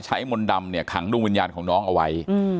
ใช้มนต์ดำขังดุงวิญญาณของน้องเอาไว้